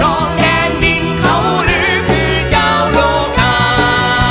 รอบแดนดินเขาหรือคือเจ้ารกห้าม